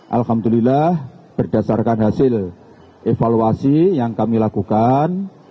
alhamdulillah berdasarkan hasil evaluasi yang kami lakukan